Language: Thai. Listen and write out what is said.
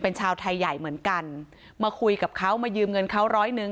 เป็นชาวไทยใหญ่เหมือนกันมาคุยกับเขามายืมเงินเขาร้อยหนึ่ง